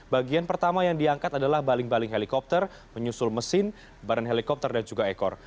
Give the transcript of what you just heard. bagian pertama yang diangkat adalah baling baling helikopter menyusul mesin barang helikopter dan juga ekor